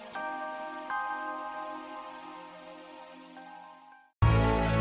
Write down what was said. mama kecewa sekali sama kamu summer